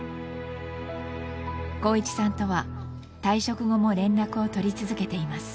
航一さんとは退職後も連絡をとり続けています。